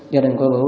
gia đình của bữa